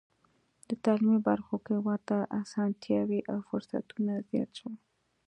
په تعلیمي برخو کې ورته اسانتیاوې او فرصتونه زیات شول.